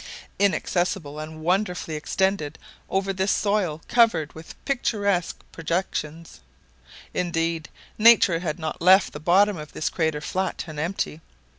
Inaccessible and wonderfully extended over this soil covered with picturesque projections! Indeed, nature had not left the bottom of this crater flat and empty.